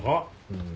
うん。